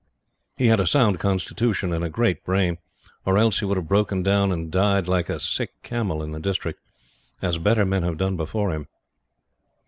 He had a sound constitution and a great brain, or else he would have broken down and died like a sick camel in the district, as better men have done before him.